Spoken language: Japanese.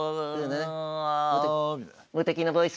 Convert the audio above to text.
「無敵のボイス」